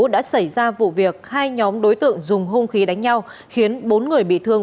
đã xảy ra vụ việc hai nhóm đối tượng dùng hung khí đánh nhau khiến bốn người bị thương